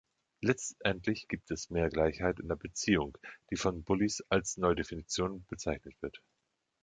Letztendlich gibt es mehr Gleichheit in der Beziehung, die von Bullis als Neudefinition bezeichnet wird.